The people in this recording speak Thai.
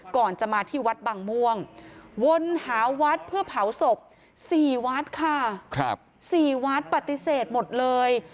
ก่อนจะมาที่วัดบางม่วงวนหาวัดเพื่อเผาศพ๔วัดค่ะ๔วัดปฏิเสธหมดเลย